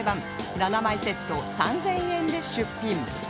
７枚セット３０００円で出品